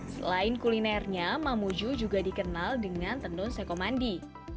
selain kulinernya mamuju juga dikenal dengan tenun sekomandi